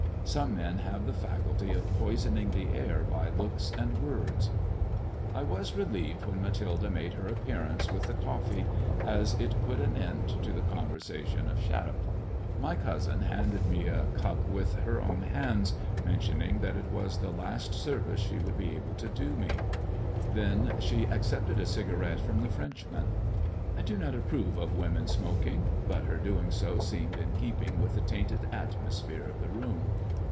Some men have the faculty of poisoning the air by looks ^nd words. I was relieved when Mathilde made her appearance with the coif ee, as it put an end to the conversation of Charette. My cousin handed me a cup with her own hands, mention* ing that it was the last service she would be able to do ma Then she accepted a cigarette from the Frenchman. I do not approve of women smoking, but her doing so seemed in keeping with the tainted atmosphere of the room.